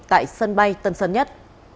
tại sân bay tân sân nhất